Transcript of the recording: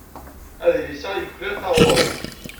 Adlis-a yuklal taɣuri.